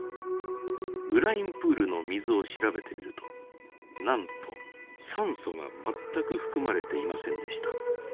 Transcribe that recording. ブラインプールの水を調べてみるとなんと酸素が全く含まれていませんでした。